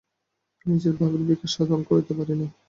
নিজ ভাবের বিকাশসাধন করিতে পারি না।